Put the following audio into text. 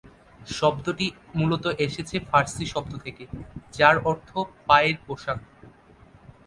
শব্দটি মূলত এসেছে ফার্সি শব্দ থেকে, যার অর্থ ‘পায়ের পোশাক’।